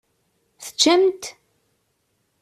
Teččamt?